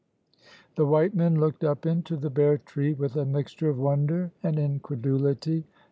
The white men looked up into the bare tree with a mixture of wonder and incredulity.